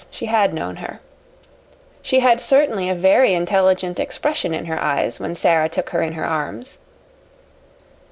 Perhaps she had known her. She had certainly a very intelligent expression in her eyes when Sara took her in her arms.